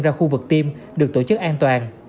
ra khu vực tiêm được tổ chức an toàn